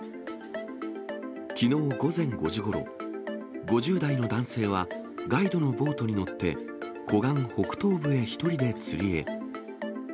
きのう午前５時ごろ、５０代の男性は、ガイドのボートに乗って、湖岸北東部へ１人で釣りへ。